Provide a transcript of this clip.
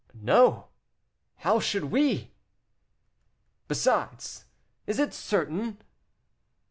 "No; how should we?" "Besides, is it certain?"